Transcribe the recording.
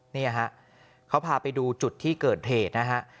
นี่ฮะเขาพาไปดูจุดที่เกิดเหตุนะฮะ